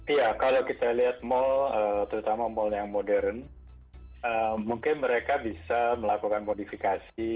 iya kalau kita lihat mal terutama mal yang modern mungkin mereka bisa melakukan modifikasi